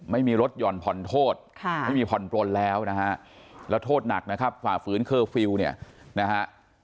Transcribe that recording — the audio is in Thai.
ไม่มีรถหย่อนผ่อนโทษไม่มีผ่อนปลนแล้วนะฮะแล้วโทษหนักนะครับฝ่าฝืนเคอร์ฟิลล์เนี่ยนะฮะ